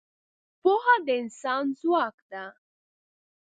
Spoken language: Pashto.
پوهه د انسان ځواک ده.